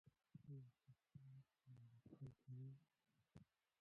آیا ته د خپل رب په نوم لوستل کوې؟